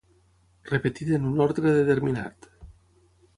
Repetida en un ordre determinat.